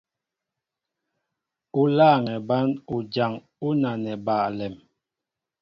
U lâŋɛ bán ujaŋ ú nanɛ ba alɛm.